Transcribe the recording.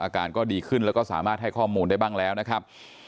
อาการก็ดีขึ้นแล้วก็สามารถให้ข้อมูลได้บ้างแล้วนะครับ